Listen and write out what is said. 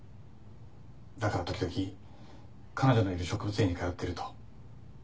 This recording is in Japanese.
「だから時々彼女のいる植物園に通ってると」